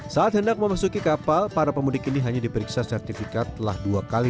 saat hendak memasuki kapal para pemudik ini hanya diperiksa sertifikat telah dua kali